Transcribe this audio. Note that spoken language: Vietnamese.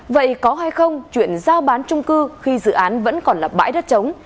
vậy có hay không chuyện giao bán trung cư khi dự án vẫn còn là bãi đất chống